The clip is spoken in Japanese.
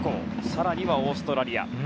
更にはオーストラリア。